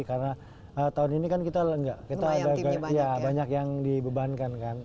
karena tahun ini kan kita banyak yang dibebankan kan